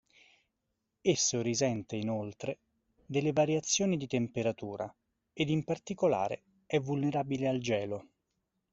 Esso risente inoltre delle variazioni di temperatura, ed in particolare è vulnerabile al gelo.